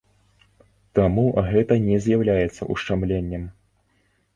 Таму гэта не з'яўляецца ушчамленнем.